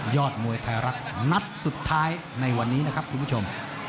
มวยไทยรัฐนัดสุดท้ายในวันนี้นะครับคุณผู้ชม